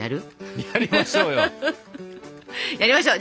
やりましょう。